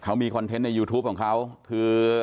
เขามีคอนเทนต์ในยูทูปของเขาคือ